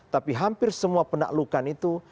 tapi hampir semua penaklukan itu